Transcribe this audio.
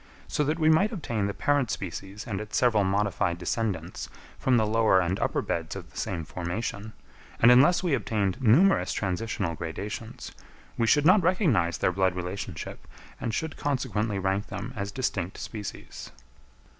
So that we might obtain the parent species and its several modified descendants from the lower and upper beds of the same formation, and unless we obtained numerous transitional gradations, we should not recognise their blood relationship, and should consequently rank them as distinct species.